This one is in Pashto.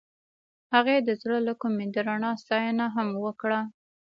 هغې د زړه له کومې د رڼا ستاینه هم وکړه.